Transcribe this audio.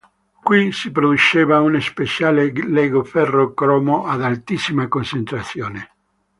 Qui si produceva una speciale lega ferro cromo ad altissima concentrazione.